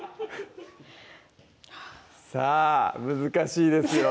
さぁ難しいですよ